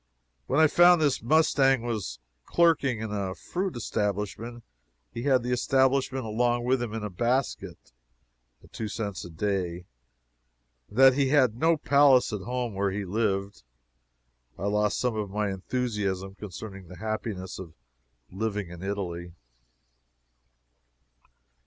When I found that this mustang was clerking in a fruit establishment (he had the establishment along with him in a basket,) at two cents a day, and that he had no palace at home where he lived, I lost some of my enthusiasm concerning the happiness of living in Italy.